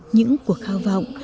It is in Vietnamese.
những cuộc khao vọng